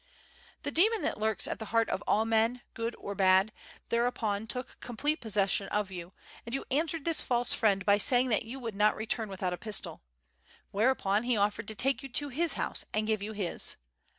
"The demon that lurks at the heart of all men, good or bad, thereupon took complete possession of you, and you answered this false friend by saying that you would not return without a pistol. Whereupon he offered to take you to his house and give you his.